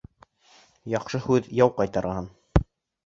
Яҡшы һүҙ яу ҡайтарған.